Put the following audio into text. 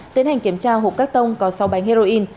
tiến hành kiểm tra hộp các tông có sáu bánh heroin